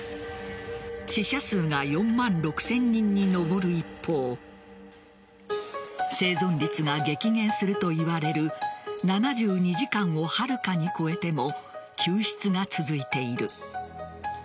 死者数が４万６０００人に上る一方生存率が激減するといわれる７２時間を遥かに超えても救出が続いている。